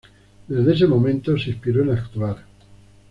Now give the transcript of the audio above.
Desde ese momento, se inspiró en actuar.